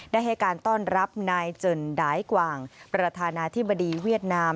ได้ให้การต้อนรับนายเจินดายกว่างประธานาธิบดีเวียดนาม